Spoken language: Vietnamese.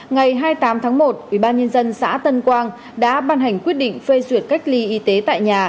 ngày hai mươi tám tháng một ubnd xã tân quang đã ban hành quyết định phê duyệt cách ly y tế tại nhà